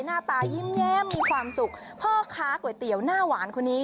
หน้าตายิ้มแย้มมีความสุขพ่อค้าก๋วยเตี๋ยวหน้าหวานคนนี้